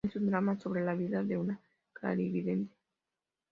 Es un drama sobre la vida de una clarividente.